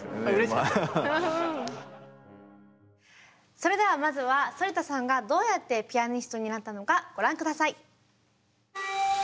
それではまずは反田さんがどうやってピアニストになったのかご覧下さい。